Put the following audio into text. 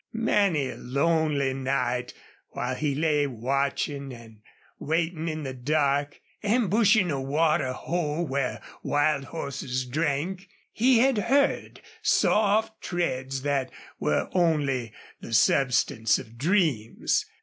Many a lonely night while he lay watching and waiting in the dark, ambushing a water hole where wild horses drank, he had heard soft treads that were only the substance of dreams.